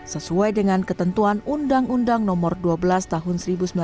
sesuai dengan ketentuan undang undang nomor dua belas tahun seribu sembilan ratus empat puluh